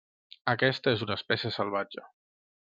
Aquesta és una espècie salvatge.